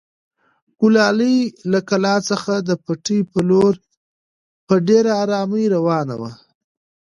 ګلالۍ له کلا څخه د پټي په لور په ډېرې ارامۍ راروانه وه.